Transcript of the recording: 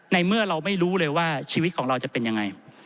ในเมื่อเราไม่รู้เลยว่าชีวิตของเราจะเป็นยังไง